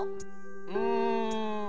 うん。